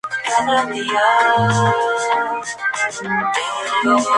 Participó en más de treinta obras teatrales y varios largometrajes.